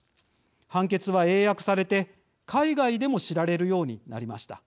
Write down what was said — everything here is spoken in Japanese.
判決は英訳されて海外でも知られるようになりました。